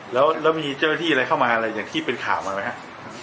แล้วมีเจอที่หรือเข้ามาอะไรอย่างที่เป็นข่าวหน่อยไหมคะ